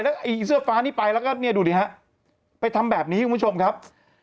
แล้วไอ้เสื้อฟ้านี่ไปแล้วก็เนี่ยดูดิฮะไปทำแบบนี้คุณผู้ชมครับ